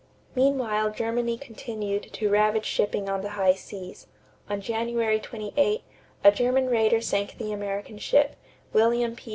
= Meanwhile Germany continued to ravage shipping on the high seas. On January 28, a German raider sank the American ship, _William P.